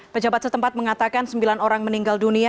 pejabat setempat mengatakan sembilan orang meninggal dunia